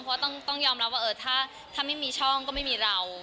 เพราะต้องยอมรับว่าถ้าไม่มีช่องก็ไม่มีเรา